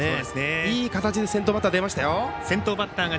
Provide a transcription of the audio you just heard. いい形で先頭バッター出ました。